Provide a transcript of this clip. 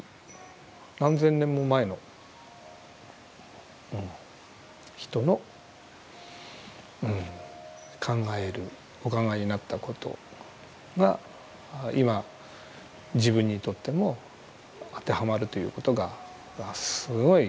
何千年も前の人のうん考えるお考えになったことが今自分にとっても当てはまるということがすごい